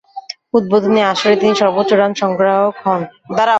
উদ্বোধনী আসরে তিনি সর্বোচ্চ রান সংগ্রাহক হন।